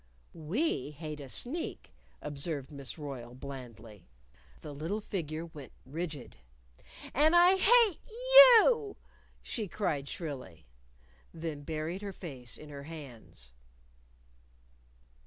"We hate a sneak," observed Miss Royle, blandly. The little figure went rigid. "And I hate you," she cried shrilly. Then buried her face in her hands.